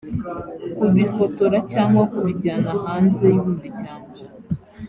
kubifotora cyangwa kubijyana hanze y umuryango